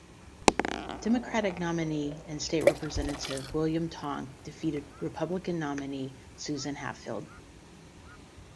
Democratic nominee and state representative William Tong defeated Republican nominee Susan Hatfield.